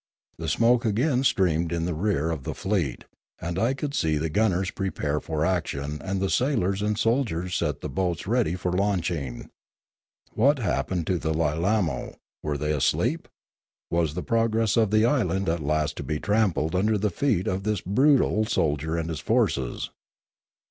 The smoke again streamed in the rear of the fleet, and I could see the gunners prepare for action and the sailors and soldiers set the boats ready for launching. What had happened to the Lilanio? Were they all asleep ? Was the progress of the island at last to be trampled under the feet of this brutal soldier and his forces?